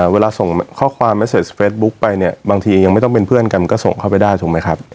เวลาส่งข้อความมาเสร็จเฟซบุ๊คไปเนี่ยบางทียังไม่ต้องเป็นเพื่อนกันก็ส่งเข้าไปได้ถูกไหมครับ